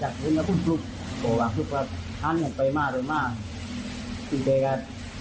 ก็พูดว่าทางกันไปมากเลยมากจะเจอกัน